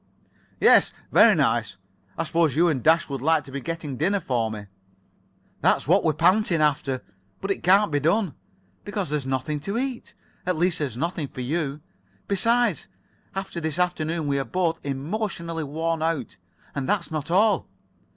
"Yes, very nice. I suppose you and Dash would like to be getting dinner for me." "That's what we're panting after. But it can't be done, because there's nothing to eat. At least, there's [Pg 83]nothing for you. Besides, after this afternoon we are both emotionally worn out. And that's not all.